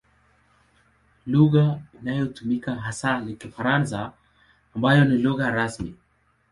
Lugha inayotumika hasa ni Kifaransa ambayo ni lugha rasmi.